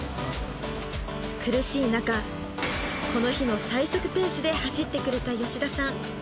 苦しい中この日の最速ペースで走ってくれた吉田さん